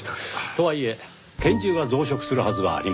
とはいえ拳銃が増殖するはずはありません。